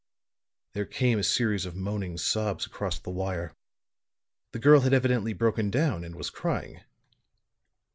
There came a series of moaning sobs across the wire; the girl had evidently broken down and was crying.